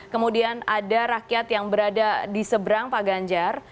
kemudian ada rakyat yang berada di seberang pak ganjar